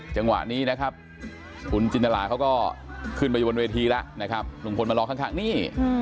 จังหวะนี้นะครับคุณจินตราเขาก็ขึ้นไปบนเวทีแล้วนะครับลุงพลมารอข้างนี่